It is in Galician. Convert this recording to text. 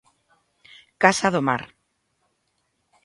Casa do Mar.